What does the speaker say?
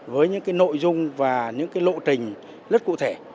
với những nội dung và những lộ trình rất cụ thể